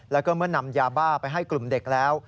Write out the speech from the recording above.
แล้วก็เมื่อนำยาบ้าไปให้กลุ่มเด็กแล้ว